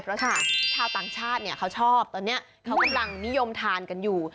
เพราะชาวต่างชาติเนี่ยเขาชอบตอนนี้เขากำลังนิยมทานกันอยู่